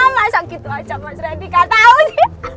masa gitu aja mas randy gak tau sih